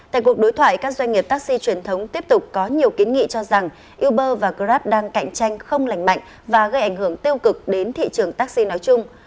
tại cuộc đối thoại các doanh nghiệp taxi truyền thống tiếp tục có nhiều kiến nghị cho rằng uber và grab đang cạnh tranh không lành mạnh và gây ảnh hưởng tiêu cực đến thị trường taxi nói chung